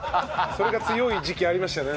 それが強い時期ありましたよね。